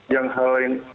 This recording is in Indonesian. yang hal lain